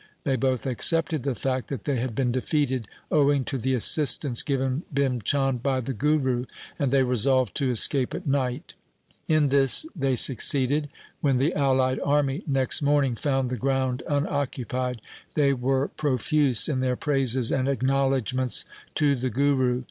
They both accepted the fact that they had been defeated owing to the assistance given Bhim Chand by the Guru, and they resolved to escape at night. In this they succeeded. When the allied army next morning found the ground un occupied, they were profuse in their praises and acknowledgements to the Guru.